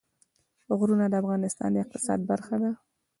غرونه د افغانستان د اقتصاد برخه ده.